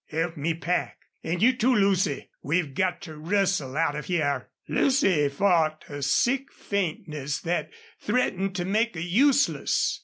"Help me pack. An' you, too, Lucy. We've got to rustle out of hyar." Lucy fought a sick faintness that threatened to make her useless.